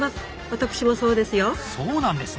私もそうですよ。